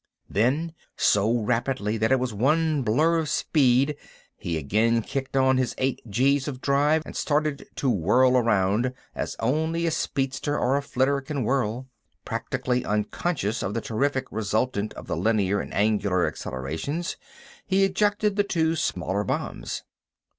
Then, so rapidly that it was one blur of speed, he again kicked on his eight G's of drive and started to whirl around as only a speedster or a flitter can whirl. Practically unconscious from the terrific resultant of the linear and angular accelerations, he ejected the two smaller bombs.